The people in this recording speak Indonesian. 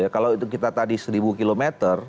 kalau itu kita tadi seribu km